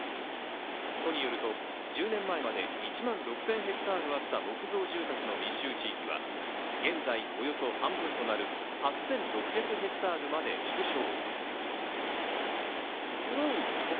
都によると、１０年前まで１万６０００ヘクタールあった木造住宅の密集地域は、現在、およそ半分となる８６００ヘクタールまで縮小。